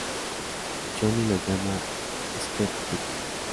Johnny lo llama "Squeak-Pig".